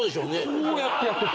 こうやってやってる。